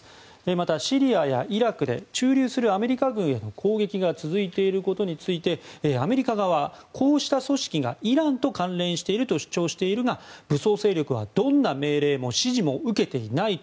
また、シリアやイラクで駐留するアメリカ軍への攻撃が続いていることについてアメリカ側はこうした組織がイランと関連していると主張しているが武装勢力は、どんな命令も指示も受けていないと。